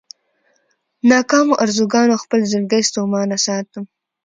ناکامو ارزوګانو خپل زړګی ستومانه ساتم.